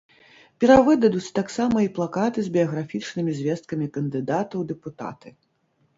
Перавыдадуць таксама і плакаты з біяграфічнымі звесткамі кандыдата ў дэпутаты.